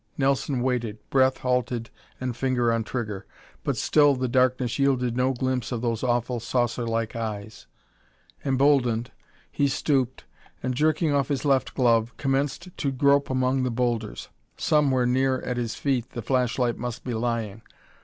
Nelson waited, breath halted and finger on trigger, but still the darkness yielded no glimpse of those awful saucer like eyes. Emboldened, he stooped and, jerking off his left glove, commenced to grope among the boulders. Somewhere near at his feet the flashlight must be lying.